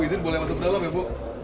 izin boleh masuk ke dalam ya bu